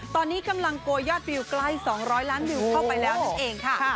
ตอนนี้กำลังโกยยอดวิวใกล้๒๐๐ล้านวิวเข้าไปแล้วนั่นเองค่ะ